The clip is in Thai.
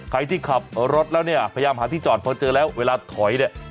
ใครที่ขับรถแล้วเนี่ยพยายามหาที่จอดพอเจอแล้วเวลาถอยเนี่ย